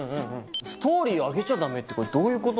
ストーリー上げちゃダメってこれどういうこと？